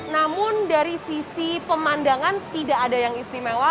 namun dari sisi pemandangan tidak ada yang istimewa